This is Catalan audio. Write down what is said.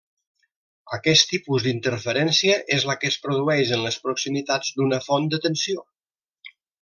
Aquest tipus d'interferència és la que es produeix en les proximitats d'una font de tensió.